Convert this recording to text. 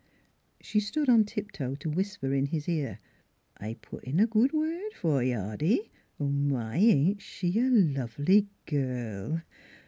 ' She stood on tiptoe to whisper in his ear: " I put in a good word f'r you, Hoddy. ... My! ain't she a lovely girl!